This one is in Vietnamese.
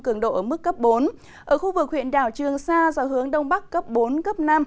cường độ ở mức cấp bốn ở khu vực huyện đảo trường sa gió hướng đông bắc cấp bốn cấp năm